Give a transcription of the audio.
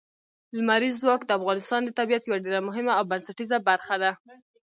لمریز ځواک د افغانستان د طبیعت یوه ډېره مهمه او بنسټیزه برخه ده.